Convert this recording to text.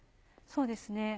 そうですね。